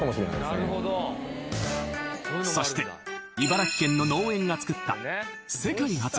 そして茨城県の農園が作った世界初！